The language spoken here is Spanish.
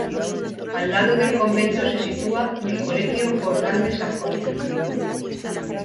Al lado del convento se sitúa el colegio Jordan de Sajonia.